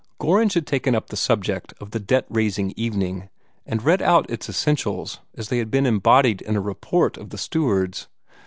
Gorringe had taken up the subject of the "debt raising" evening, and read out its essentials as they had been embodied in a report of the stewards.